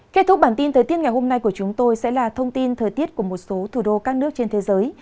kết thúc bản tin thời tiết ngày hôm nay của chúng tôi sẽ là thông tin thời tiết của một số thủ đô các nước trên thế giới